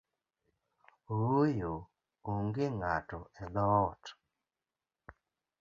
Ooyo, onge ng’ato edhoot